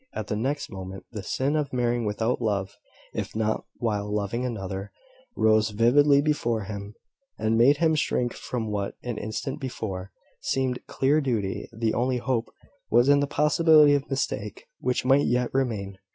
At the next moment, the sin of marrying without love, if not while loving another, rose vividly before him, and made him shrink from what, an instant before, seemed clear duty. The only hope was in the possibility of mistake, which might yet remain.